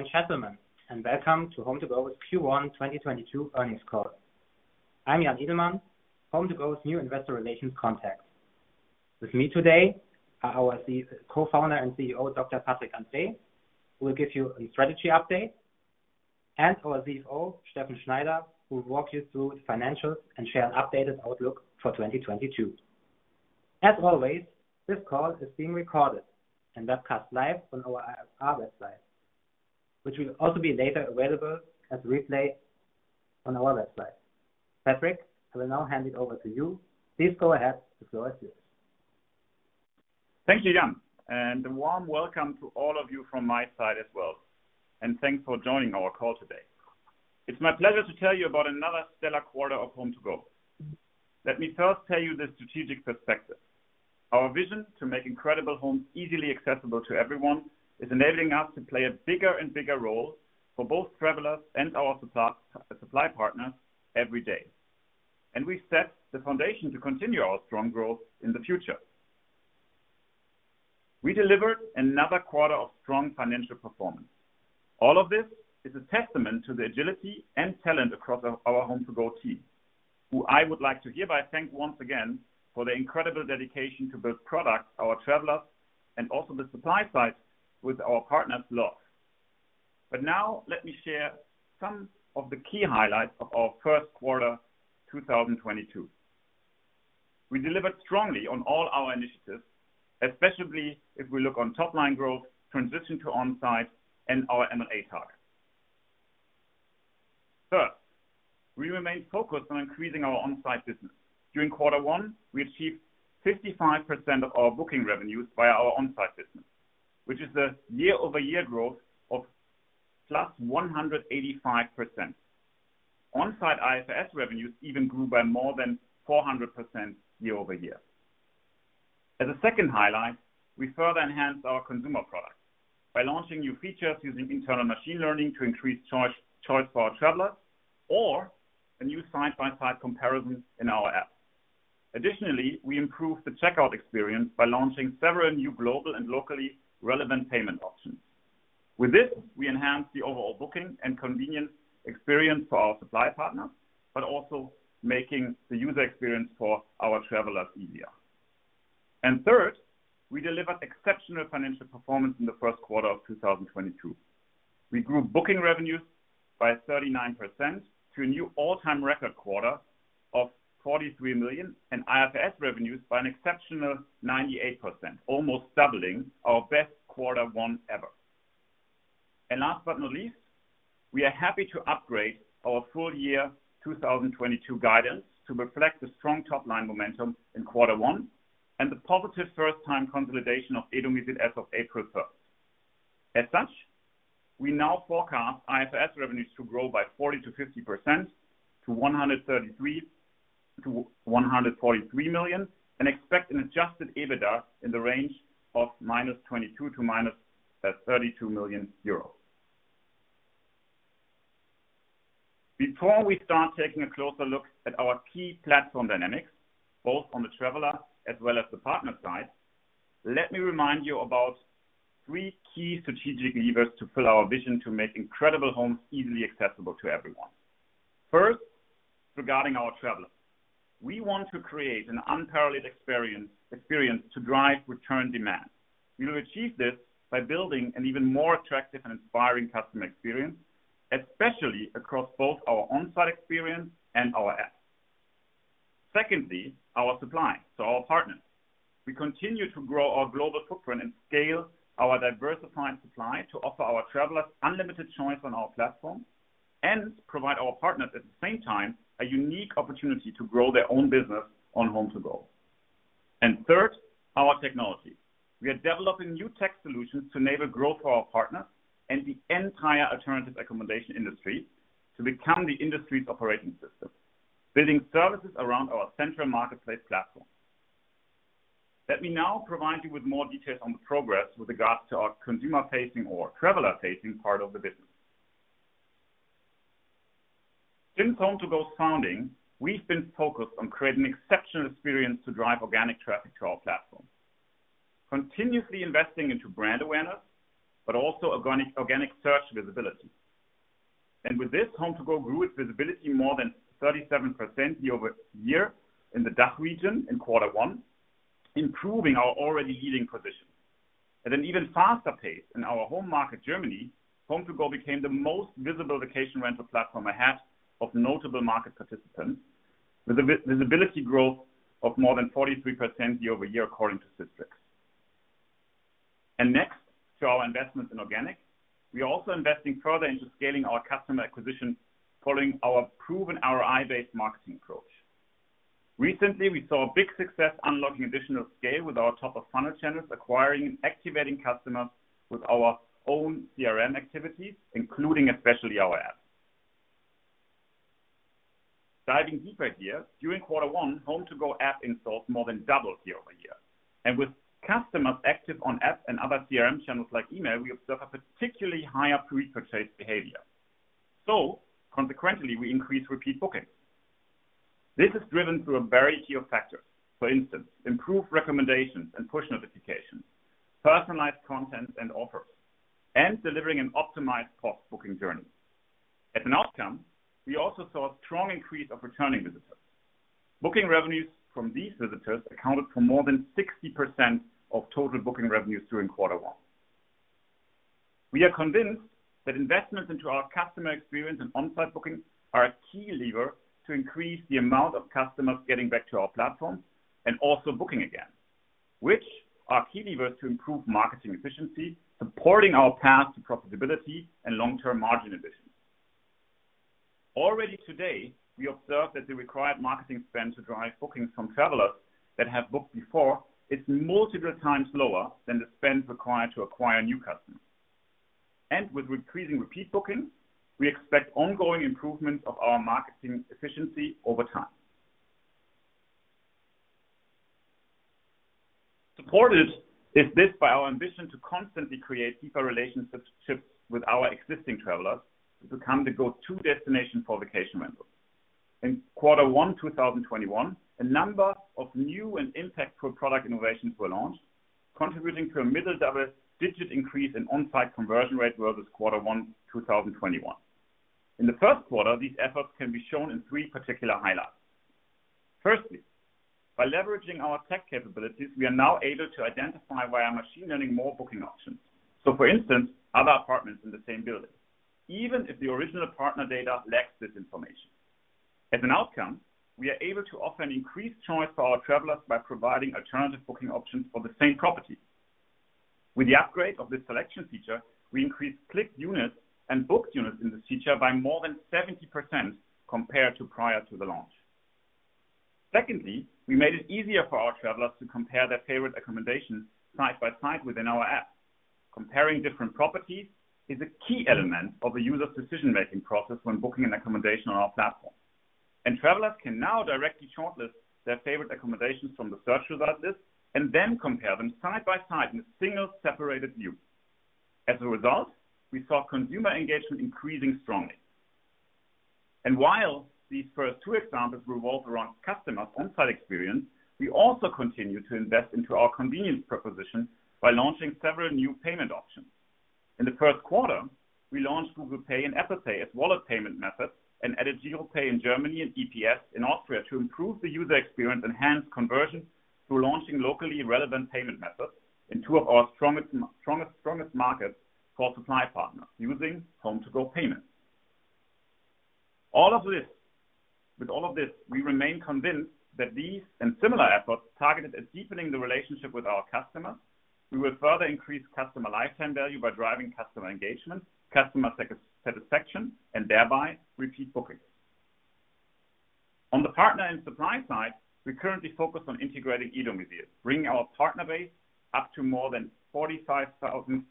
Welcome to HomeToGo's Q1 2022 earnings call. I'm Jan Edelmann, HomeToGo's new investor relations contact. With me today are our Co-founder and CEO, Dr. Patrick Andrä, who will give you a strategy update, and our CFO, Steffen Schneider, who will walk you through the financials and share an updated outlook for 2022. As always, this call is being recorded and webcast live on our IR website, which will also be later available as replays on our website. Patrick, I will now hand it over to you. Please go ahead, the floor is yours. Thank you, Jan, and a warm welcome to all of you from my side as well. Thanks for joining our call today. It's my pleasure to tell you about another stellar quarter of HomeToGo. Let me first tell you the strategic perspective. Our vision to make incredible homes easily accessible to everyone is enabling us to play a bigger and bigger role for both travelers and our supply partners every day. We set the foundation to continue our strong growth in the future. We delivered another quarter of strong financial performance. All of this is a testament to the agility and talent across our HomeToGo team, who I would like to hereby thank once again for their incredible dedication to both products, our travelers, and also the supply side with our partners locked. Now let me share some of the key highlights of our first quarter 2022. We delivered strongly on all our initiatives, especially if we look on top line growth, transition to on-site, and our M&A targets. First, we remain focused on increasing our on-site business. During quarter one, we achieved 55% of our booking revenues via our on-site business, which is a year-over-year growth of +185%. On-site IFRS revenues even grew by more than 400% year-over-year. As a second highlight, we further enhanced our consumer products by launching new features using internal machine learning to increase choice for our travelers or a new side-by-side comparison in our app. Additionally, we improved the checkout experience by launching several new global and locally relevant payment options. With this, we enhanced the overall booking and convenience experience for our supply partners, but also making the user experience for our travelers easier. Third, we delivered exceptional financial performance in the first quarter of 2022. We grew booking revenues by 39% to a new all-time record quarter of 43 million, and IFRS revenues by an exceptional 98%, almost doubling our best quarter one ever. Last but not least, we are happy to upgrade our full-year 2022 guidance to reflect the strong top-line momentum in quarter one and the positive first-time consolidation of e-domizil as of April 1. As such, we now forecast IFRS revenues to grow by 40%-50% to 133 million - 143 million, and expect an Adjusted EBITDA in the range of -22 million - -32 million euros. Before we start taking a closer look at our key platform dynamics, both on the traveler as well as the partner side, let me remind you about three key strategic levers to fill our vision to make incredible homes easily accessible to everyone. First, regarding our travelers. We want to create an unparalleled experience to drive return demand. We will achieve this by building an even more attractive and inspiring customer experience, especially across both our on-site experience and our app. Secondly, our supply to our partners. We continue to grow our global footprint and scale our diversified supply to offer our travelers unlimited choice on our platform and provide our partners, at the same time, a unique opportunity to grow their own business on HomeToGo. Third, our technology. We are developing new tech solutions to enable growth for our partners and the entire alternative accommodation industry to become the industry's operating system, building services around our central marketplace platform. Let me now provide you with more details on the progress with regards to our consumer-facing or traveler-facing part of the business. Since HomeToGo's founding, we've been focused on creating exceptional experience to drive organic traffic to our platform, continuously investing into brand awareness, but also organic search visibility. With this, HomeToGo grew its visibility more than 37% year-over-year in the DACH region in quarter one, improving our already leading position. At an even faster pace in our home market, Germany, HomeToGo became the most visible vacation rental platform ahead of notable market participants, with a visibility growth of more than 43% year-over-year, according to Sistrix. Next to our investments in organic, we are also investing further into scaling our customer acquisition following our proven ROI-based marketing approach. Recently, we saw a big success unlocking additional scale with our top-of-funnel channels, acquiring and activating customers with our own CRM activities, including especially our app. Diving deeper here, during quarter one, HomeToGo app installs more than doubled year-over-year. With customers active on app and other CRM channels like email, we observe a particularly higher pre-purchase behavior. Consequently, we increase repeat bookings. This is driven through a variety of factors. For instance, improved recommendations and push notifications, personalized content and offers, and delivering an optimized post-booking journey. As an outcome, we also saw a strong increase of returning visitors. Booking revenues from these visitors accounted for more than 60% of total booking revenues during quarter one. We are convinced that investments into our customer experience and on-site booking are a key lever to increase the amount of customers getting back to our platform and also booking again, which are key levers to improve marketing efficiency, supporting our path to profitability and long-term margin ambitions. Already today, we observe that the required marketing spend to drive bookings from travelers that have booked before is multiple times lower than the spend required to acquire new customers. With increasing repeat bookings, we expect ongoing improvement of our marketing efficiency over time. Supported is this by our ambition to constantly create deeper relationships with our existing travelers to become the go-to destination for vacation rentals. In Q1 2021, a number of new and impactful product innovations were launched, contributing to a mid- to high-digit increase in on-site conversion rate versus Q1 2021. In the first quarter, these efforts can be shown in three particular highlights. Firstly, by leveraging our tech capabilities, we are now able to identify via machine learning more booking options. So for instance, other apartments in the same building, even if the original partner data lacks this information. As an outcome, we are able to offer an increased choice to our travelers by providing alternative booking options for the same property. With the upgrade of this selection feature, we increased clicked units and booked units in this feature by more than 70% compared to prior to the launch. Secondly, we made it easier for our travelers to compare their favorite accommodations side by side within our app. Comparing different properties is a key element of a user's decision-making process when booking an accommodation on our platform. Travelers can now directly shortlist their favorite accommodations from the search results list and then compare them side by side in a single separated view. As a result, we saw consumer engagement increasing strongly. While these first two examples revolve around customers' on-site experience, we also continue to invest into our convenience proposition by launching several new payment options. In the first quarter, we launched Google Pay and Apple Pay as wallet payment methods and added giropay in Germany and EPS in Austria to improve the user experience, enhance conversion through launching locally relevant payment methods in two of our strongest markets for supply partners using HomeToGo Payments. With all of this, we remain convinced that these and similar efforts targeted at deepening the relationship with our customers, we will further increase customer lifetime value by driving customer engagement, customer satisfaction, and thereby repeat bookings. On the partner and supply side, we currently focus on integrating e-domizil, bringing our partner base up to more than 45,000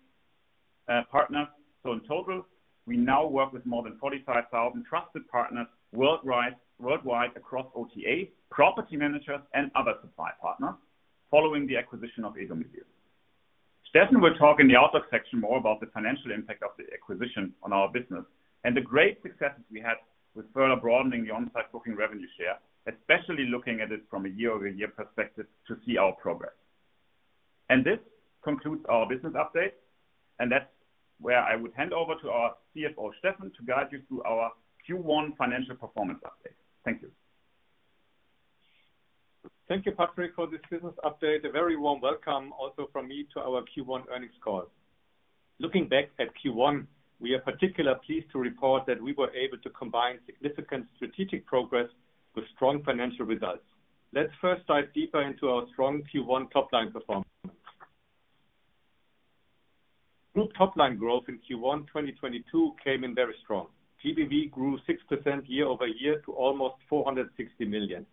partners. In total, we now work with more than 45,000 trusted partners worldwide across OTA, property managers, and other supply partners following the acquisition of e-domizil. Steffen will talk in the outlook section more about the financial impact of the acquisition on our business and the great successes we had with further broadening the on-site booking revenue share, especially looking at it from a year-over-year perspective to see our progress. This concludes our business update, and that's where I would hand over to our CFO, Steffen, to guide you through our Q1 financial performance update. Thank you. Thank you, Patrick, for this business update. A very warm welcome also from me to our Q1 earnings call. Looking back at Q1, we are particularly pleased to report that we were able to combine significant strategic progress with strong financial results. Let's first dive deeper into our strong Q1 top-line performance. Group top-line growth in Q1 2022 came in very strong. GBV grew 6% year-over-year to almost 460 million.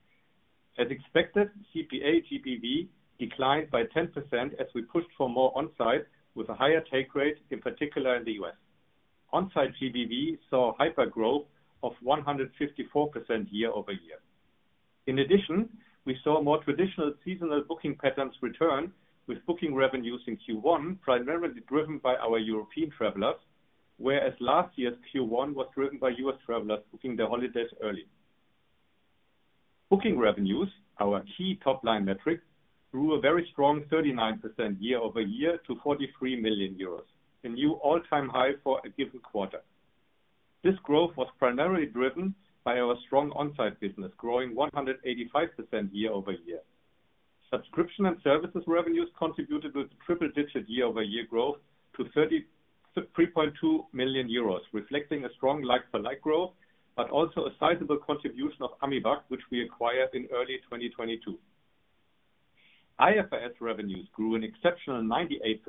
As expected, CPA GBV declined by 10% as we pushed for more on-site with a higher take rate, in particular in the U.S. On-site GBV saw hyper-growth of 154% year-over-year. In addition, we saw more traditional seasonal booking patterns return with booking revenues in Q1 primarily driven by our European travelers, whereas last year's Q1 was driven by U.S. travelers booking their holidays early. Booking revenues, our key top-line metric, grew a very strong 39% year-over-year to 43 million euros, a new all-time high for a given quarter. This growth was primarily driven by our strong on-site business, growing 185% year-over-year. Subscription and services revenues contributed with triple-digit year-over-year growth to 33.2 million euros, reflecting a strong like-for-like growth, but also a sizable contribution of AMIVAC, which we acquired in early 2022. IFRS revenues grew an exceptional 98%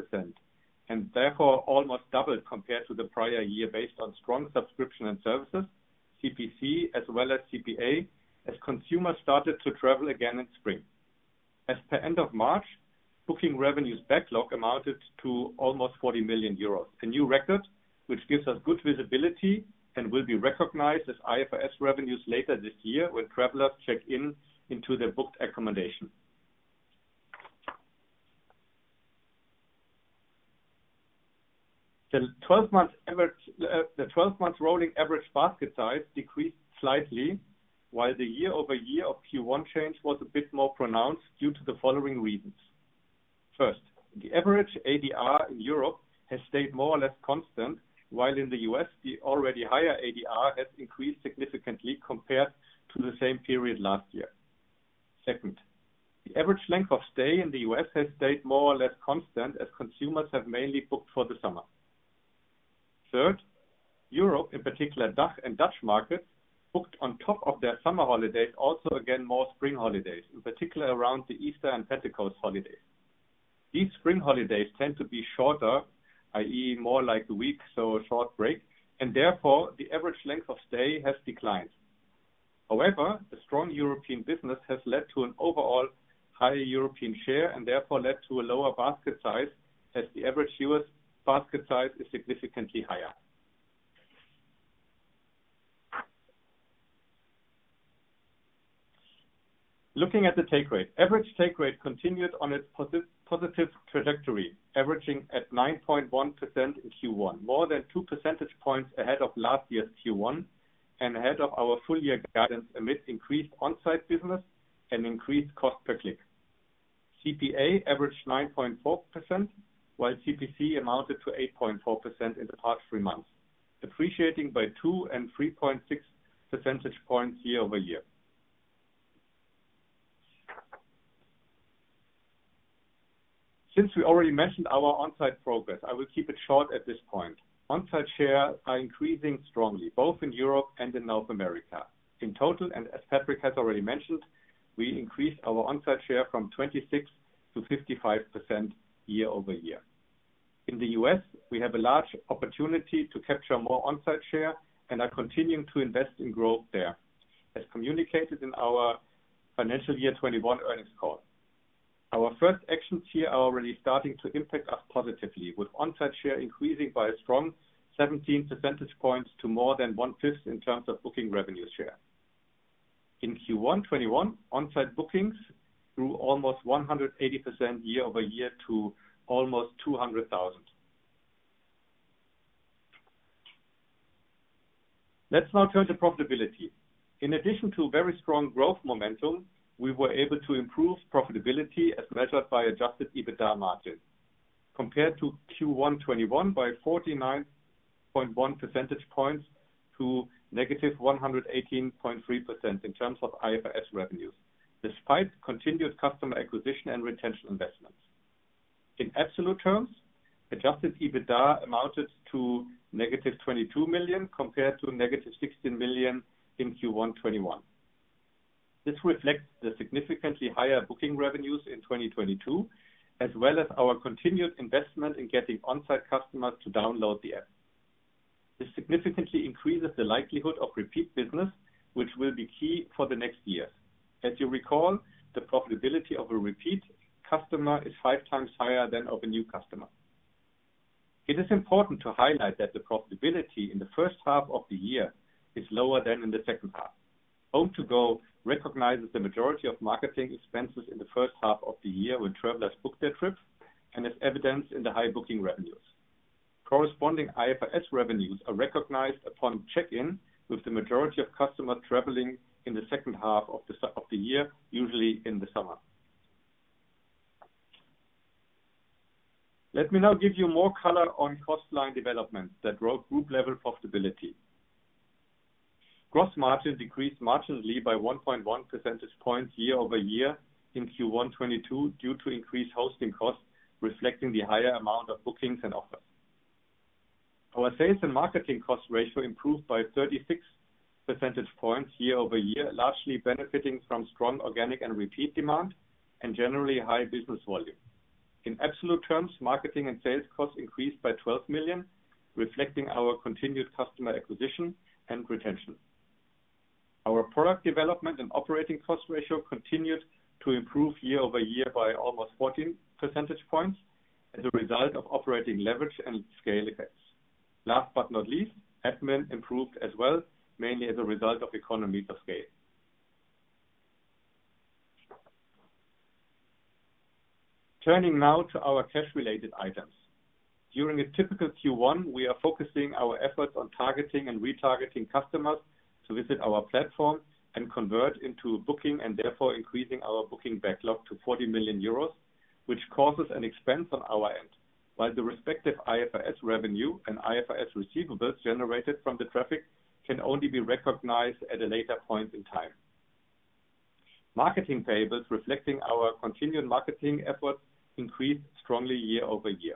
and therefore almost doubled compared to the prior year based on strong subscription and services, CPC, as well as CPA, as consumers started to travel again in spring. As per end of March, booking revenues backlog amounted to almost 40 million euros, a new record which gives us good visibility and will be recognized as IFRS revenues later this year when travelers check in into their booked accommodation. The 12 month rolling average basket size decreased slightly while the year-over-year Q1 change was a bit more pronounced due to the following reasons. First, the average ADR in Europe has stayed more or less constant, while in the U.S., the already higher ADR has increased significantly compared to the same period last year. Second, the average length of stay in the U.S. has stayed more or less constant as consumers have mainly booked for the summer. Third, Europe, in particular DACH markets, booked on top of their summer holidays also again more spring holidays, in particular around the Easter and Pentecost holidays. These spring holidays tend to be shorter, i.e., more like a week, so a short break, and therefore the average length of stay has declined. However, the strong European business has led to an overall higher European share and therefore led to a lower basket size as the average U.S. basket size is significantly higher. Looking at the take rate. Average take rate continued on its positive trajectory, averaging at 9.1% in Q1, more than two percentage points ahead of last year's Q1 and ahead of our full-year guidance amidst increased on-site business and increased cost per click. CPA averaged 9.4%, while CPC amounted to 8.4% in the past three months, appreciating by 2 and 3.6 percentage points year-over-year. Since we already mentioned our on-site progress, I will keep it short at this point. On-site share are increasing strongly, both in Europe and in North America. In total, and as Patrick has already mentioned, we increased our on-site share from 26 to 55% year-over-year. In the U.S., we have a large opportunity to capture more on-site share and are continuing to invest in growth there, as communicated in our financial year 2021 earnings call. Our first actions here are already starting to impact us positively, with on-site share increasing by a strong 17 percentage points to more than 1/5 in terms of booking revenue share. In Q1 2021, on-site bookings grew almost 180% year-over-year to almost 200,000. Let's now turn to profitability. In addition to very strong growth momentum, we were able to improve profitability as measured by Adjusted EBITDA margin compared to Q1 2021 by 49.1 percentage points to -118.3% in terms of IFRS revenues, despite continued customer acquisition and retention investments. In absolute terms, Adjusted EBITDA amounted to -22 million compared to -16 million in Q1 2021. This reflects the significantly higher booking revenues in 2022, as well as our continued investment in getting on-site customers to download the app. This significantly increases the likelihood of repeat business, which will be key for the next year. As you recall, the profitability of a repeat customer is five times higher than of a new customer. It is important to highlight that the profitability in the first half of the year is lower than in the second half. HomeToGo recognizes the majority of marketing expenses in the first half of the year when travelers book their trip and as evidenced in the high booking revenues. Corresponding IFRS revenues are recognized upon check-in, with the majority of customers traveling in the second half of the year, usually in the summer. Let me now give you more color on cost line developments that drove group-level profitability. Gross margin decreased marginally by 1.1 percentage points year-over-year in Q1 2022 due to increased hosting costs reflecting the higher amount of bookings and offers. Our sales and marketing cost ratio improved by 36 percentage points year-over-year, largely benefiting from strong organic and repeat demand and generally high business volume. In absolute terms, marketing and sales costs increased by 12 million, reflecting our continued customer acquisition and retention. Our product development and operating cost ratio continued to improve year-over-year by almost 14 percentage points as a result of operating leverage and scale effects. Last but not least, admin improved as well, mainly as a result of economies of scale. Turning now to our cash-related items. During a typical Q1, we are focusing our efforts on targeting and retargeting customers to visit our platform and convert into booking and therefore increasing our booking backlog to 40 million euros, which causes an expense on our end, while the respective IFRS revenue and IFRS receivables generated from the traffic can only be recognized at a later point in time. Marketing payables reflecting our continued marketing efforts increased strongly year-over-year.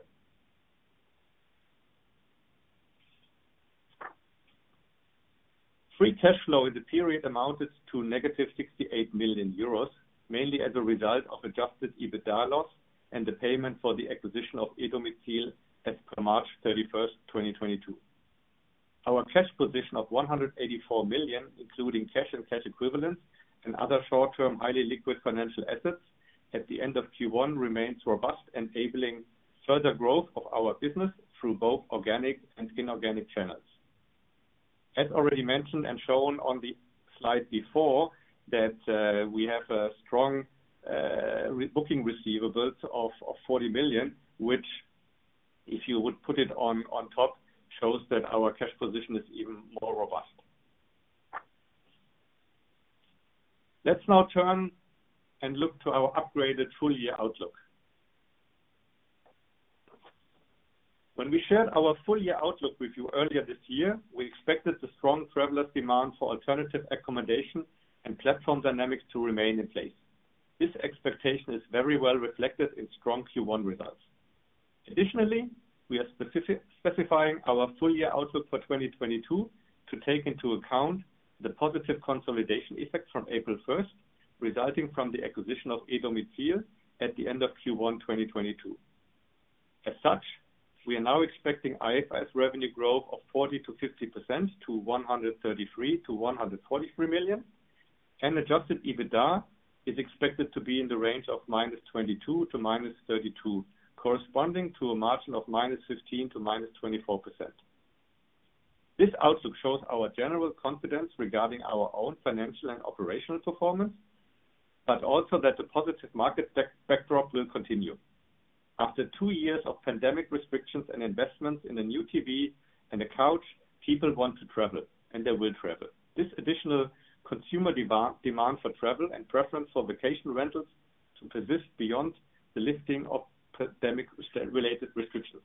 Free cash flow in the period amounted to negative 68 million euros, mainly as a result of Adjusted EBITDA loss and the payment for the acquisition of e-domizil as per March 31, 2022. Our cash position of 184 million, including cash and cash equivalents and other short-term, highly liquid financial assets at the end of Q1 remains robust, enabling further growth of our business through both organic and inorganic channels. As already mentioned and shown on the slide before that, we have a strong booking receivables of 40 million, which if you would put it on top, shows that our cash position is even more robust. Let's now turn and look to our upgraded full-year outlook. When we shared our full-year outlook with you earlier this year, we expected a strong traveler demand for alternative accommodation and platform dynamics to remain in place. This expectation is very well reflected in strong Q1 results. Additionally, we are specifying our full-year outlook for 2022 to take into account the positive consolidation effect from April 1st, resulting from the acquisition of e-domizil at the end of Q1 2022. As such, we are now expecting IFRS revenue growth of 40%-50% to 133 million - 143 million. Adjusted EBITDA is expected to be in the range of -22 million - -32 million, corresponding to a margin of -15%-24%. This outlook shows our general confidence regarding our own financial and operational performance, but also that the positive market backdrop will continue. After two years of pandemic restrictions and investments in a new TV and a couch, people want to travel and they will travel. This additional consumer demand for travel and preference for vacation rentals to persist beyond the lifting of pandemic related restrictions.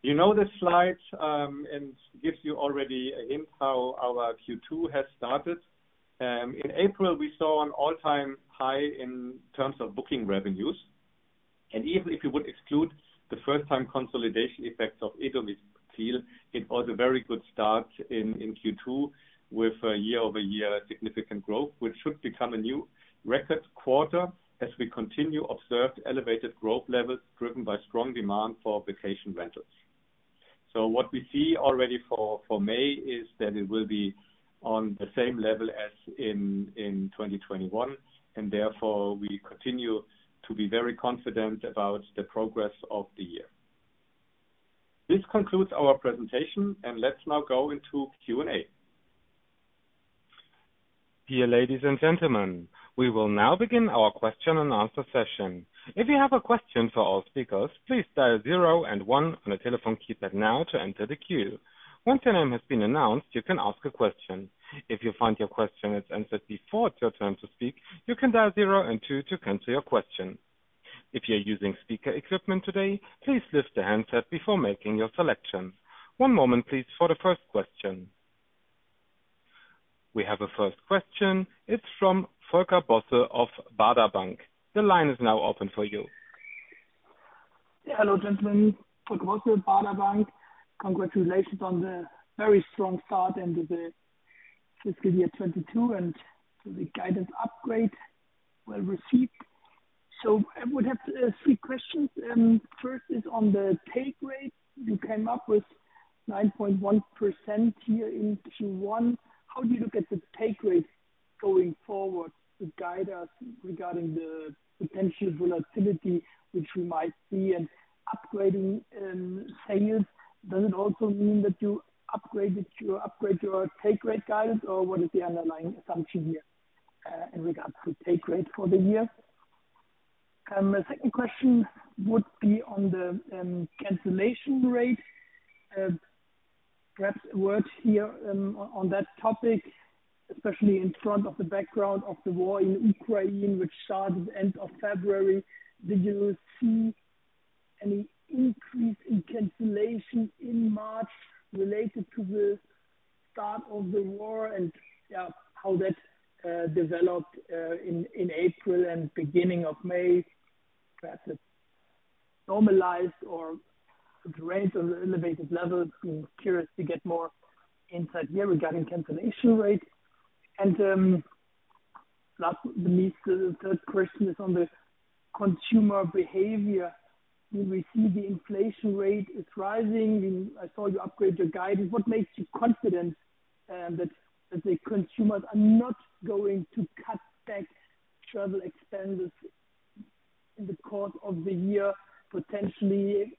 You know the slides and gives you already a hint how our Q2 has started. In April, we saw an all-time high in terms of booking revenues. Even if you would exclude the first-time consolidation effects of e-domizil, it was a very good start in Q2 with a year-over-year significant growth, which should become a new record quarter as we continue to observe elevated growth levels driven by strong demand for vacation rentals. What we see already for May is that it will be on the same level as in 2021, and therefore we continue to be very confident about the progress of the year. This concludes our presentation, and let's now go into Q&A. Dear ladies and gentlemen, we will now begin our question and answer session. If you have a question for our speakers, please dial zero and one on your telephone keypad now to enter the queue. Once your name has been announced, you can ask a question. If you find your question is answered before it's your turn to speak, you can dial zero and two to cancel your question. If you're using speaker equipment today, please lift the handset before making your selection. One moment please for the first question. We have a first question. It's from Volker Bosse of Baader Bank. The line is now open for you. Hello, gentlemen. Volker Bosse, Baader Bank. Congratulations on the very strong start into the fiscal year 2022 and to the guided upgrade well received. I would have three questions. First is on the take rate. You came up with 9.1% here in Q1. How do you look at the take rate going forward to guide us regarding the potential volatility which we might see in upgrading sales? Does it also mean that you upgrade your take rate guidance, or what is the underlying assumption here in regards to take rate for the year? The second question would be on the cancellation rate. Perhaps a word here on that topic, especially against the background of the war in Ukraine, which started end of February. Did you see any increase in cancellation in March related to the start of the war and how that developed in April and beginning of May? Perhaps it normalized or the range of the elevated levels. I'm curious to get more insight here regarding cancellation rates. Last but not least, the third question is on the consumer behavior. We see the inflation rate is rising. I saw you upgrade your guidance. What makes you confident that the consumers are not going to cut back travel expenses in the course of the year, potentially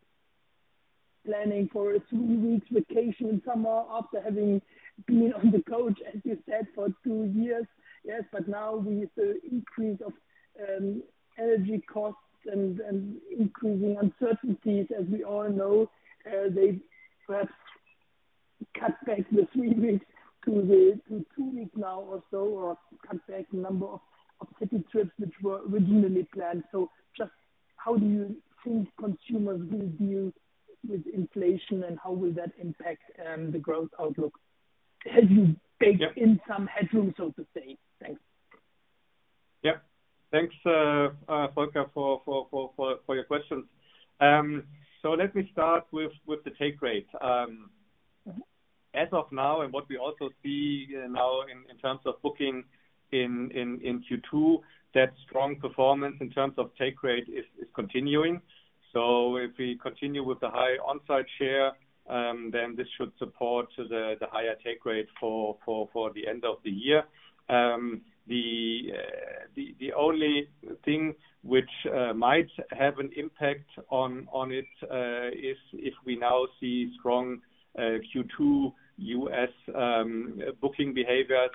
planning for a two weeks vacation in summer after having been on the couch, as you said, for two years. Yes, now with the increase of energy costs and increasing uncertainties, as we all know, they perhaps cut back the three weeks to the two weeks now or so, or cut back the number of city trips which were originally planned. Just how do you think consumers will deal with inflation, and how will that impact the growth outlook? Have you baked in some headroom, so to say? Thanks. Yeah. Thanks, Volker, for your questions. Let me start with the take rate. As of now and what we also see now in terms of booking in Q2, that strong performance in terms of take rate is continuing. If we continue with the high on-site share, then this should support the higher take rate for the end of the year. The only thing which might have an impact on it is if we now see strong Q2 U.S. booking behaviors.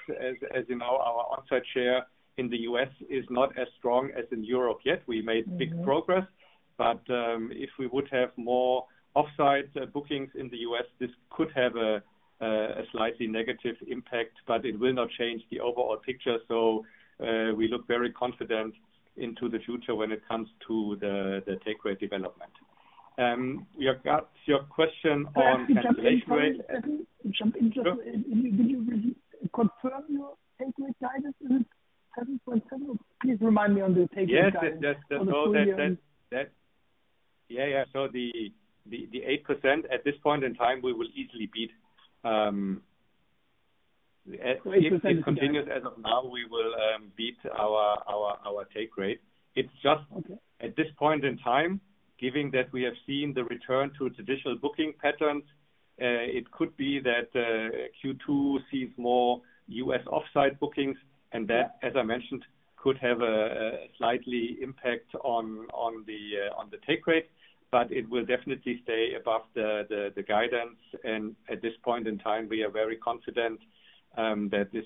As you know, our on-site share in the U.S. is not as strong as in Europe yet. We made big progress, but if we would have more off-site bookings in the U.S., this could have a slightly negative impact, but it will not change the overall picture. We look very confident into the future when it comes to the take rate development. Your question on cancellation rate. Can I just jump in? Sure. Did you re-confirm your take rate guidance? Is it 7.7%? Please remind me on the take rate guidance for the full year. Yes. Yeah, yeah. The 8% at this point in time, we will easily beat. 8% is the guidance. If it continues as of now, we will beat our take rate. It's just. Okay. At this point in time, given that we have seen the return to traditional booking patterns, it could be that Q2 sees more U.S. off-site bookings, and that, as I mentioned, could have a slight impact on the take rate. It will definitely stay above the guidance. At this point in time, we are very confident that this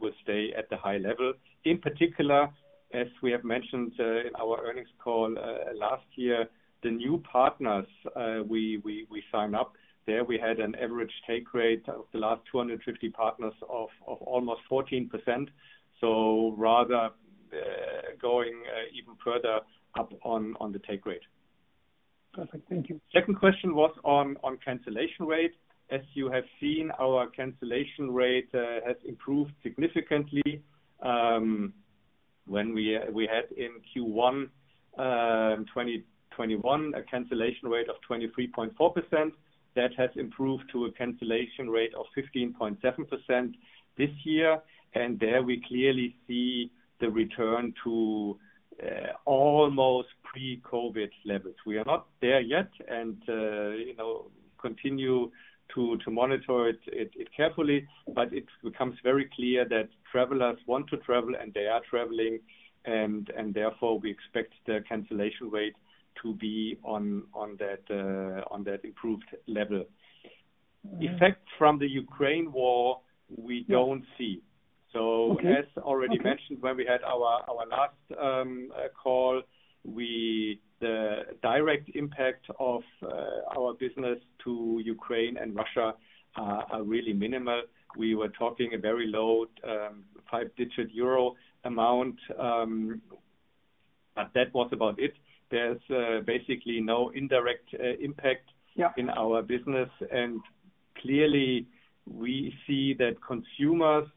will stay at the high level. In particular, as we have mentioned in our earnings call last year, the new partners we signed up there we had an average take rate of the last 250 partners of almost 14%. Rather, going even further up on the take rate. Perfect. Thank you. Second question was on cancellation rate. As you have seen, our cancellation rate has improved significantly when we had in Q1 2021 a cancellation rate of 23.4%. That has improved to a cancellation rate of 15.7% this year. There we clearly see the return to almost pre-COVID levels. We are not there yet and you know continue to monitor it carefully, but it becomes very clear that travelers want to travel and they are traveling, and therefore, we expect the cancellation rate to be on that improved level. Mm-hmm. Effect from the Ukraine war, we don't see. Okay. As already mentioned, when we had our last call, the direct impact of our business to Ukraine and Russia are really minimal. We were talking a very low 5-digit euro amount, but that was about it. There's basically no indirect impact. Yeah in our business. Clearly we see that consumers,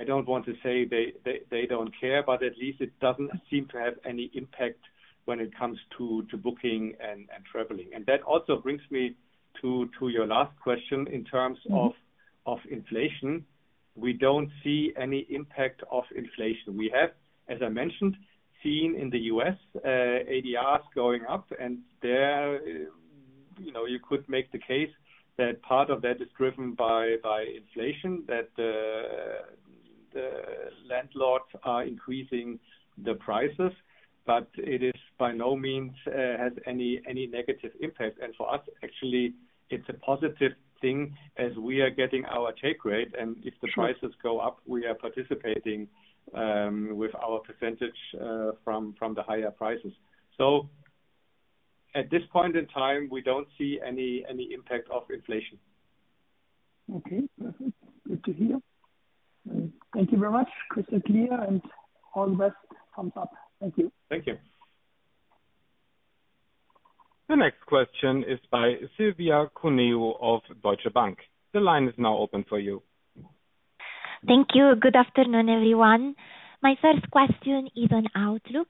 I don't want to say they don't care, but at least it doesn't seem to have any impact when it comes to booking and traveling. That also brings me to your last question in terms of Mm-hmm of inflation. We don't see any impact of inflation. We have, as I mentioned, seen in the U.S., ADRs going up and there, you know, you could make the case that part of that is driven by inflation, that the landlords are increasing the prices, but it is by no means has any negative impact. For us, actually, it's a positive thing as we are getting our take rate and if the prices go up, we are participating with our percentage from the higher prices. At this point in time, we don't see any impact of inflation. Okay. Perfect. Good to hear. Thank you very much. Crystal clear and all the best. Thumbs up. Thank you. Thank you. The next question is by Silvia Cereda of Deutsche Bank. The line is now open for you. Thank you. Good afternoon, everyone. My first question is on outlook.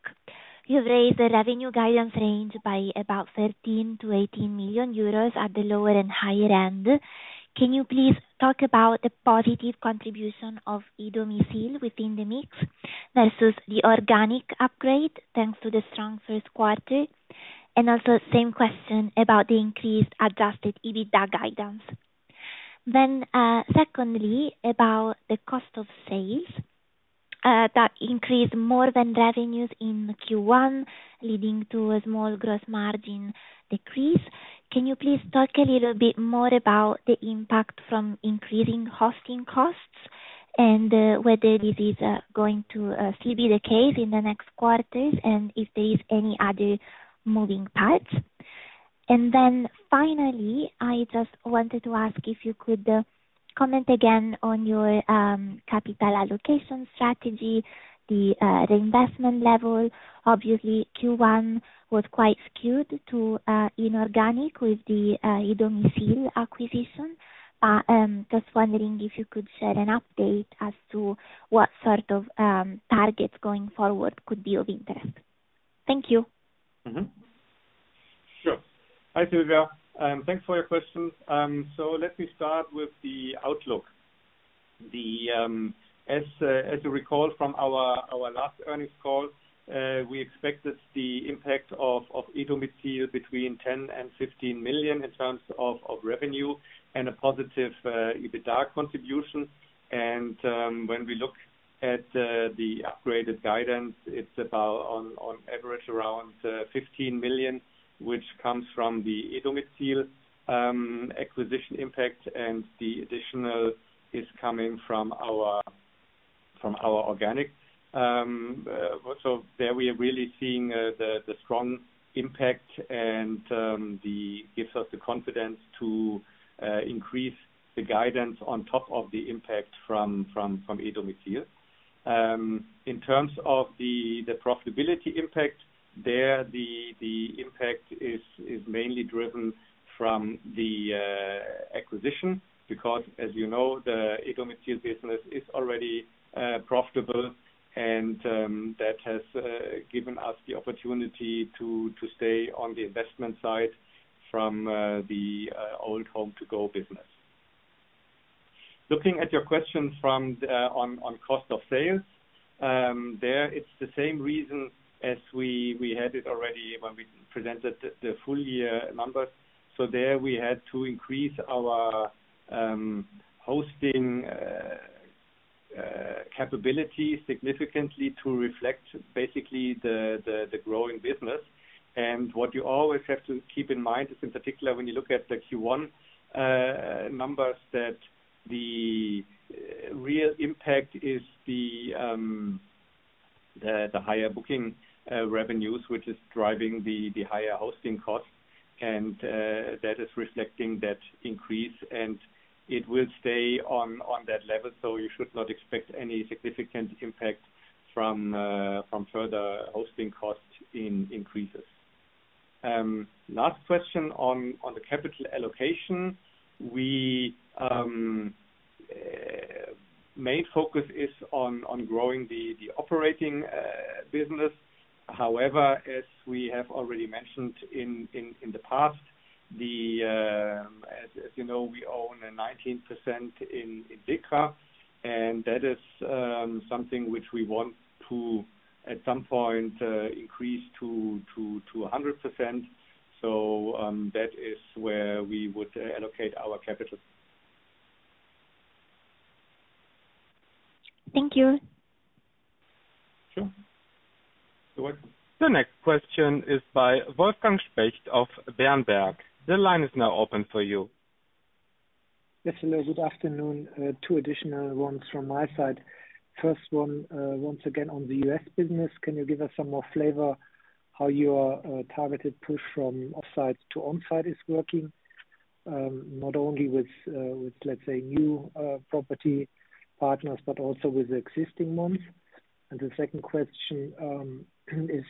You've raised the revenue guidance range by about 13 million - 18 million euros at the lower and higher end. Can you please talk about the positive contribution of e-domizil within the mix versus the organic upgrade, thanks to the strong first quarter? Also same question about the increased Adjusted EBITDA guidance. Secondly, about the cost of sales that increased more than revenues in Q1 leading to a small gross margin decrease. Can you please talk a little bit more about the impact from increasing hosting costs and whether this is going to still be the case in the next quarters and if there is any other moving parts? Finally, I just wanted to ask if you could comment again on your capital allocation strategy, the investment level. Obviously, Q1 was quite skewed to inorganic with the e-domizil acquisition. Just wondering if you could share an update as to what sort of targets going forward could be of interest. Thank you. Sure. Hi, Silvia. Thanks for your questions. Let me start with the outlook. As you recall from our last earnings call, we expected the impact of e-domizil between 10 million - 15 million in terms of revenue and a positive EBITDA contribution. When we look at the upgraded guidance, it's about on average around 15 million, which comes from the e-domizil acquisition impact, and the additional is coming from our organic. There we are really seeing the strong impact and gives us the confidence to increase the guidance on top of the impact from e-domizil. In terms of the profitability impact, the impact is mainly driven from the acquisition because as you know, the e-domizil business is already profitable and that has given us the opportunity to stay on the investment side from the old HomeToGo business. Looking at your question on cost of sales, there it's the same reason as we had it already when we presented the full year numbers. There we had to increase our hosting capability significantly to reflect basically the growing business. What you always have to keep in mind is in particular, when you look at the Q1 numbers, that the real impact is the higher booking revenues, which is driving the higher hosting costs. That is reflecting that increase, and it will stay on that level. You should not expect any significant impact from further hosting costs in increases. Last question on the capital allocation. We main focus is on growing the operating business. However, as we have already mentioned in the past, as you know, we own a 19% in SECRA, and that is something which we want to at some point increase to 100%. That is where we would allocate our capital. Thank you. Sure. The next question is by Wolfgang Specht of Berenberg. The line is now open for you. Yes, hello, good afternoon. Two additional ones from my side. First one, once again on the U.S. business. Can you give us some more flavor how your targeted push from off-site to on-site is working, not only with, let's say, new property partners, but also with existing ones? The second question is,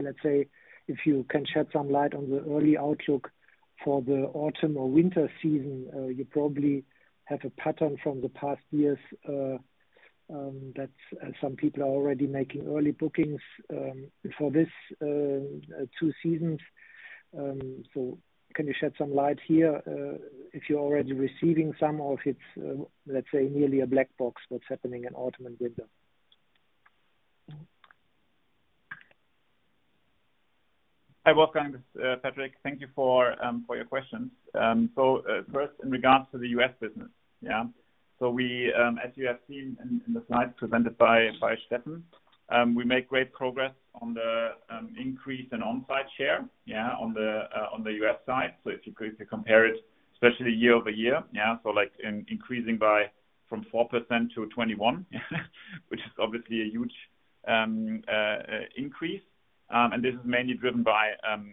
let's say if you can shed some light on the early outlook for the autumn or winter season. You probably have a pattern from the past years that some people are already making early bookings for this two seasons. Can you shed some light here, if you're already receiving some or if it's, let's say, merely a black box, what's happening in autumn and winter? Hi, Wolfgang, this is Patrick. Thank you for your questions. First in regards to the U.S. business. We, as you have seen in the slides presented by Steffen, we make great progress on the increase in on-site share, on the U.S. side. If you go to compare it, especially year-over-year, like in increasing by from 4% to 21%, which is obviously a huge increase. This is mainly driven by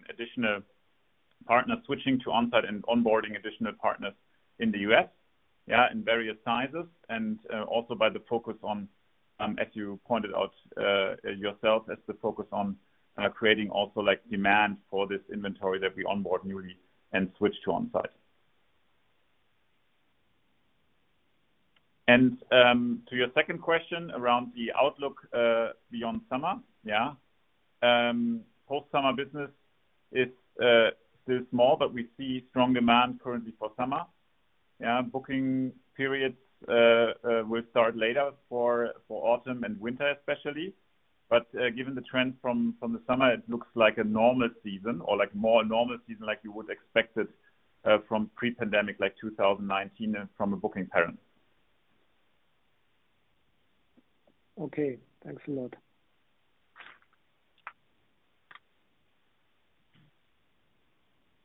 additional partners switching to on-site and onboarding additional partners in the U.S., in various sizes. Also by the focus on, as you pointed out, yourself as the focus on, creating also like demand for this inventory that we onboard newly and switch to on-site. To your second question around the outlook beyond summer. Yeah. HomeToGo business is still small, but we see strong demand currently for summer. Yeah. Booking periods will start later for autumn and winter especially. Given the trend from the summer, it looks like a normal season or like more normal season like you would expect it from pre-pandemic, like 2019 and from a booking pattern. Okay. Thanks a lot.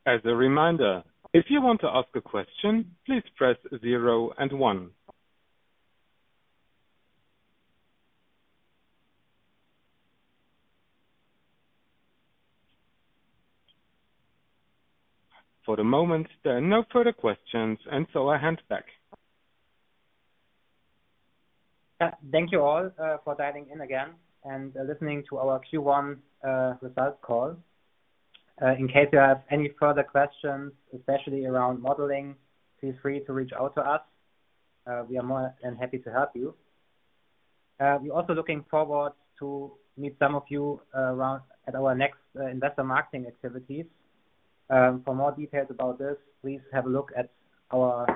As a reminder, if you want to ask a question, please press zero and one. For the moment, there are no further questions, and so I hand back. Thank you all for dialing in again and listening to our Q1 results call. In case you have any further questions, especially around modeling, feel free to reach out to us. We are more than happy to help you. We're also looking forward to meet some of you around at our next investor marketing activities. For more details about this, please have a look at our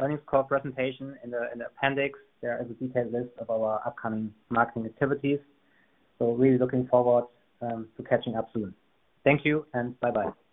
earnings call presentation in the appendix. There is a detailed list of our upcoming marketing activities. Really looking forward to catching up soon. Thank you and bye-bye.